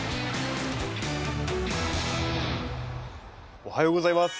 おはようございます。